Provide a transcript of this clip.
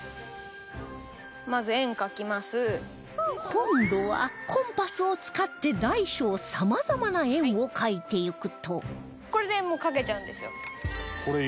今度はコンパスを使って大小さまざまな円を描いていくと